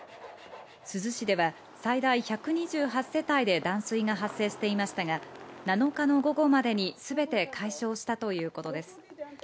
珠洲市では、最大１２８世帯で断水が発生していましたが、７日の午後までにすべて解消したということです。